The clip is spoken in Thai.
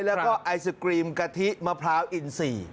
แล้วก็ไอศกรีมกะทิมะพร้าวอินซี